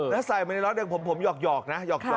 ถ้าใส่มาในล็อตเดียวผมหยอกนะ